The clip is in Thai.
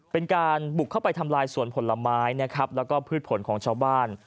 เป็นการบุกเข้าไปทำลายส่วนผลไม้และผลผลของชาวบ้าน